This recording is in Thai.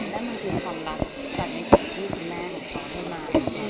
แต่มันเป็นความรักจากในสัตว์ที่คุณแม่ให้มา